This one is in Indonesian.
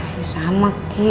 ya sama ki